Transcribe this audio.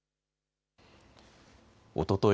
おととい